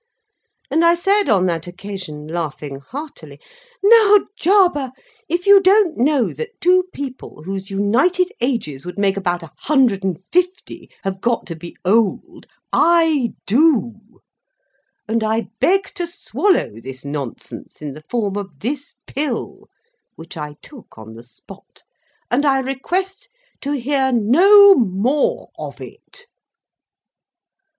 And I said on that occasion, laughing heartily, "Now, Jarber, if you don't know that two people whose united ages would make about a hundred and fifty, have got to be old, I do; and I beg to swallow this nonsense in the form of this pill" (which I took on the spot), "and I request to, hear no more of it."